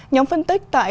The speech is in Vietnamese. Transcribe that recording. nhóm phân tích tại